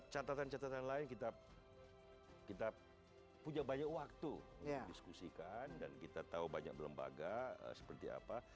catatan catatan lain kita punya banyak waktu untuk diskusikan dan kita tahu banyak lembaga seperti apa